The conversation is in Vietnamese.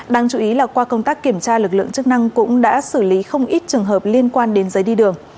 đáng chú ý là qua công tác kiểm tra lực lượng chức năng cũng đã xử lý không ít trường hợp liên quan đến giấy đi đường